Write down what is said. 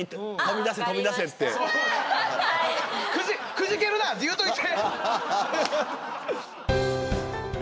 くじけるなって言うといて。